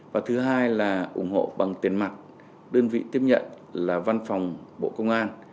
và thứ hai là ủng hộ bằng tiền mặt đơn vị tiếp nhận là văn phòng bộ công an